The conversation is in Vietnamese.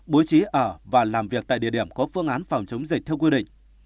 bố trí ở và làm việc tại địa điểm có phương án phòng chống dịch theo quy định